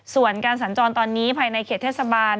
ส่วนการสัญจรตอนนี้ภายในเขตเทศบาล